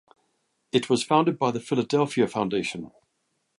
It was founded by the Philadelphia Foundation.